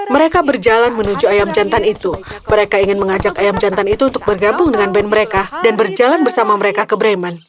mereka berjalan menuju ayam jantan itu mereka ingin mengajak ayam jantan itu untuk bergabung dengan band mereka dan berjalan bersama mereka ke bremen